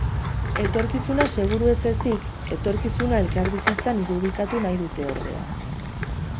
Etorkizuna seguru ez ezik, etorkizuna elkarbizitzan irudikatu nahi dute, ordea.